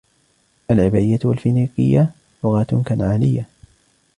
العبرية والفينيقية لغات كنعانية.